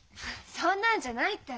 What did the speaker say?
そんなんじゃないったら。